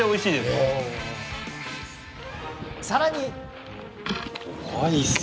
さらに。